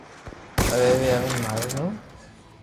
ريو ي آوين ماري نو ر